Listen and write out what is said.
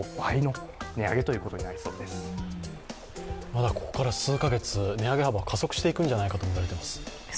まだここから数カ月、値上げ幅は加速していくんじゃないかと言われています。